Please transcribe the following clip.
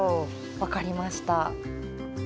分かりました。